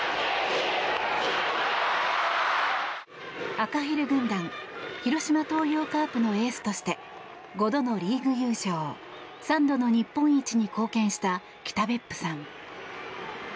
赤ヘル軍団広島東洋カープのエースとして５度のリーグ優勝３度の日本一に貢献した北別府さん。